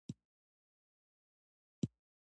انار د افغانستان د ناحیو ترمنځ تفاوتونه رامنځ ته کوي.